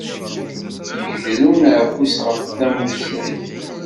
Yegdel uneɛfus ɣef tamusayt!